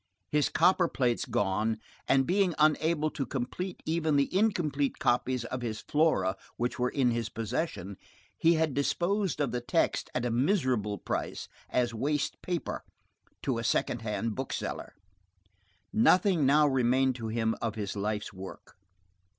His copper plates gone, and being unable to complete even the incomplete copies of his Flora which were in his possession, he had disposed of the text, at a miserable price, as waste paper, to a second hand bookseller. Nothing now remained to him of his life's work.